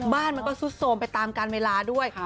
บ้านมันก็ซุดโทรมไปตามการเวลาด้วย